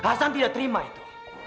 hasan tidak terima itu